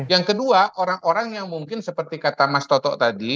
yang kedua orang orang yang mungkin seperti kata mas toto tadi